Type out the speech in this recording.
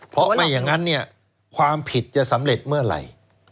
เพราะไม่อย่างนั้นเนี่ยความผิดจะสำเร็จเมื่อไหร่